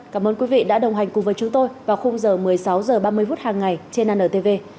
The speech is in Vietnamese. cảm ơn quý vị đã đồng hành cùng với chúng tôi vào khung giờ một mươi sáu h ba mươi phút hàng ngày trên antv